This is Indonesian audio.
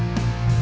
simpen uang itu